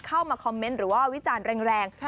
เข้ามาคอมเมนต์หรือว่าวิจารณ์แรง